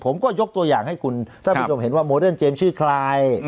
ผมก็ยกตัวอย่างให้คุณท่านผู้ชมเห็นว่าโมเดิร์นเจมส์ชื่อใคร